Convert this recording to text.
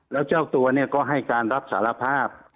แล้วเจ้าตัวเนี่ยก็ให้การรับสารภาพ